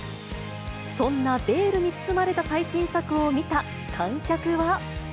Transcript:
そんなベールに包まれた最新作を見た観客は。